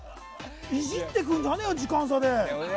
いじってくるんじゃねえよ時間差で。